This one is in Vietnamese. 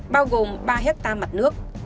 bao gồm ba ha mặt nước